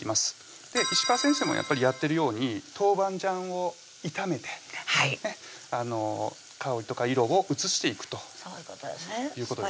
石川先生もやってるように豆板醤を炒めて香りとか色を移していくということですね